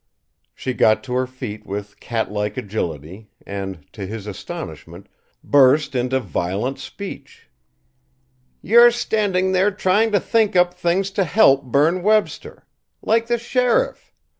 She got to her feet with cat like agility, and, to his astonishment, burst into violent speech: "You're standing there trying to think up things to help Berne Webster! Like the sheriff!